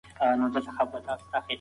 او په خاوره کې ازمویل شوې.